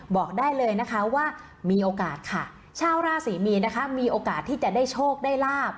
บอกได้เลยนะคะว่ามีโอกาสค่ะชาวราศรีมีนนะคะมีโอกาสที่จะได้โชคได้ลาบ